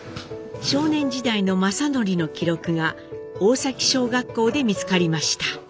少年時代の正徳の記録が大崎小学校で見つかりました。